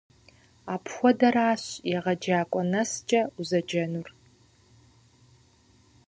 Апхуэдэращ егъэджакӀуэ нэскӀэ узэджэнур.